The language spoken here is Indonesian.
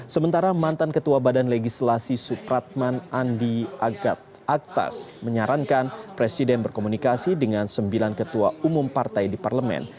sementara mantan ketua badan legislasi supratman andi agat aktas menyarankan presiden berkomunikasi dengan sembilan ketua umum partai di parlemen